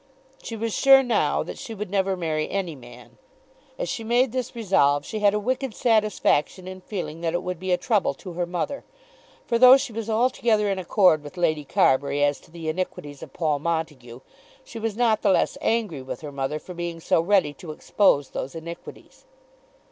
She was sure now that she would never marry any man. As she made this resolve she had a wicked satisfaction in feeling that it would be a trouble to her mother; for though she was altogether in accord with Lady Carbury as to the iniquities of Paul Montague she was not the less angry with her mother for being so ready to expose those iniquities.